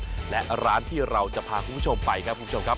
เอาล่ะเดินทางมาถึงในช่วงไฮไลท์ของตลอดกินในวันนี้แล้วนะครับ